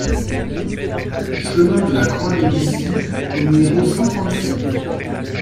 Chemin de la Croix de Bissy au numéro cent trente-sept